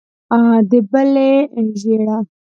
د بلې ژېړه.